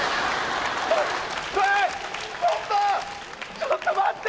ちょっと待って！